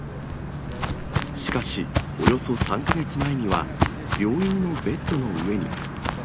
しかし、およそ３か月前には病院のベッドの上に。